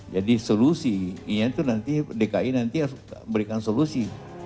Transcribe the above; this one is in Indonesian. jadi solusi ini itu nanti dki nanti memberikan solusi